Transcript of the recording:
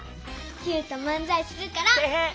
キューとまんざいするから。てへっ。